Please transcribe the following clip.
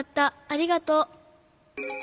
ありがとう。